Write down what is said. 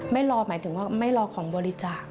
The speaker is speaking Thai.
ไม่รอหมายถึงว่าไม่รอของบริจาค